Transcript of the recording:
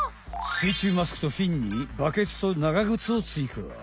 水中マスクとフィンにバケツと長ぐつをついか。